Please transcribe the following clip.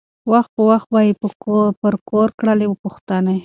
وخت په وخت به یې پر کور کړلی پوښتني